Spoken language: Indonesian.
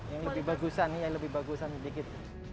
yang lebih bagusan yang lebih bagusan sedikit